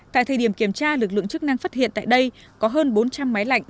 tại thời điểm kiểm tra lực lượng chức năng phát hiện tại đây có hơn bốn trăm linh máy lạnh